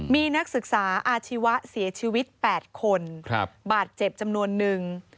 มีนักศึกษาอาชีวะเสียชีวิต๘คนบาดเจ็บจำนวนนึง